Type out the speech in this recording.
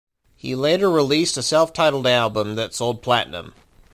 He later released a self-titled album that sold platinum.